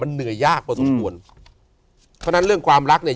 เหนื่อยยากพอสมควรเพราะฉะนั้นเรื่องความรักเนี่ย